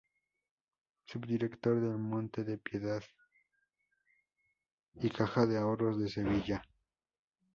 Subdirector del Monte de Piedad y Caja de Ahorros de Sevilla.